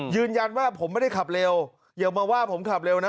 ยืนยันว่าผมไม่ได้ขับเร็วอย่ามาว่าผมขับเร็วนะ